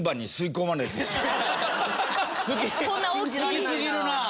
好きすぎるな。